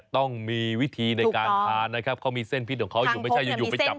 ต้องมีวิธีในการทานนะครับเขามีเส้นพิษของเขาอยู่ไม่ใช่อยู่ไปจับ